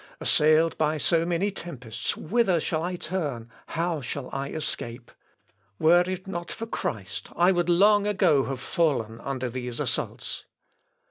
"Assailed by so many tempests, whither shall I turn, how shall I escape?... Were it not for Christ I would long ago have fallen under these assaults."